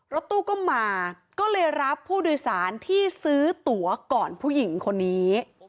รถตู้ก็มาก็เลยรับผู้โดยสารที่ซื้อตัวก่อนผู้หญิงคนนี้